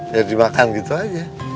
ya dimakan gitu aja